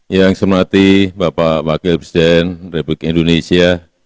yang saya hormati bapak wakil presiden republik indonesia